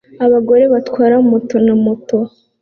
Abagore batwara moto na moto